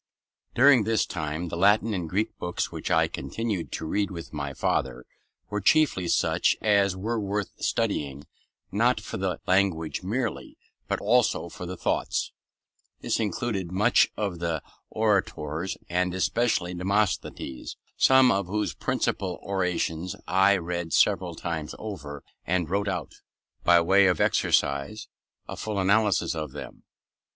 During this time, the Latin and Greek books which I continued to read with my father were chiefly such as were worth studying, not for the language merely, but also for the thoughts. This included much of the orators, and especially Demosthenes, some of whose principal orations I read several times over, and wrote out, by way of exercise, a full analysis of them.